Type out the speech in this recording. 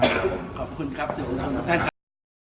โปรดติดตามตอนต่อไป